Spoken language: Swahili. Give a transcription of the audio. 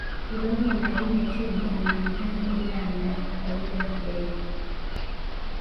Udongo wa madini ya chuma unajulikana kwa jina la Mdapo kwa Lugha ya Kibena